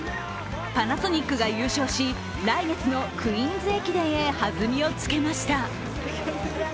パナソニックが優勝し、来月のクイーンズ駅伝へ弾みをつけました。